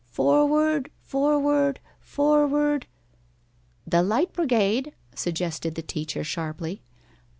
Forward forward forward " "The Light Brigade," suggested the teacher, sharply.